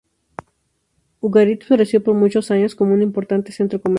Ugarit floreció por muchos años como un importante centro comercial.